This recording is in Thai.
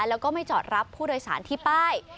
แล้วก็ไม่จอดรับผู้โดยสารที่ป้าย